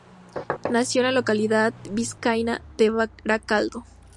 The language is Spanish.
Nació en la localidad vizcaína de Baracaldo.